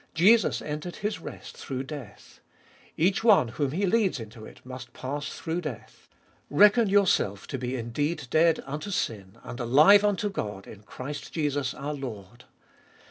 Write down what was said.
Jesus entered His rest through death; each one whom He leads into it must pass through death. " Reckon yourself to be indeed dead unto sin, and alive unto God in Christ Jesus our Lord."